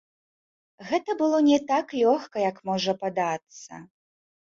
Гэта было не так лёгка, як можа падацца.